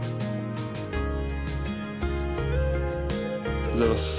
・おはようございます。